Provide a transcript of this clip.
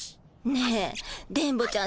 ねえ電ボちゃん